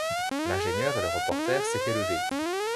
L’ingénieur et le reporter s’étaient levés.